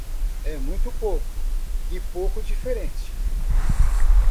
É muito pouco e pouco diferente.